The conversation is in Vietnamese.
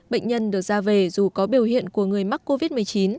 bệnh nhân được ra về dù có biểu hiện của người mắc covid một mươi chín